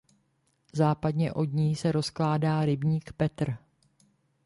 Západně od ní se rozkládá rybník Petr.